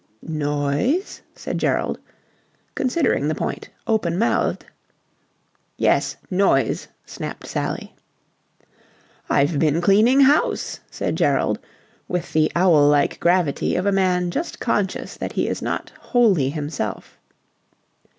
"Noise?" said Gerald, considering the point open mouthed. "Yes, noise," snapped Sally. "I've been cleaning house," said Gerald with the owl like gravity of a man just conscious that he is not wholly himself.